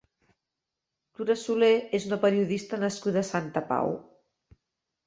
Tura Soler és una periodista nascuda a Santa Pau.